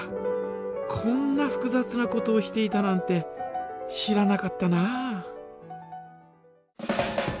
こんなふくざつなことをしていたなんて知らなかったなあ。